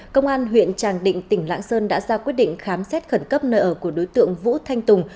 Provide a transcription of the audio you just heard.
công an huyện tràng định tỉnh lãng sơn đã ra quyết định khám xét khẩn cấp nơi ở của đối tượng vũ thanh tùng